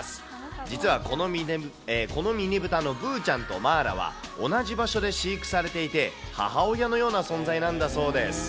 実はこのミニブタのぶーちゃんとマーラは、同じ場所で飼育されていて、母親のような存在なんだそうです。